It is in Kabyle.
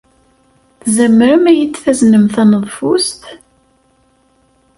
Tzemrem ad iyi-d-taznem taneḍfust?